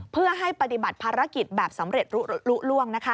เพื่อให้ปฏิบัติภารกิจแบบสำเร็จลุล่วง